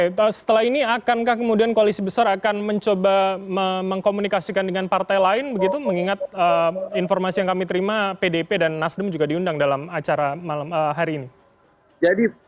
baik setelah ini akankah kemudian koalisi besar akan mencoba mengkomunikasikan dengan partai lain begitu mengingat informasi yang kami terima pdp dan nasdem juga diundang dalam acara malam hari ini